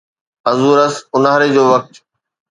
Azores اونهاري جو وقت